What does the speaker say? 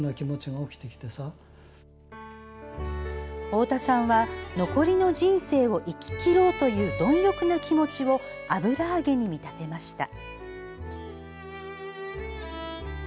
太田さんは残りの人生を生き切ろうという貪欲な気持ちを油揚げに見立てました。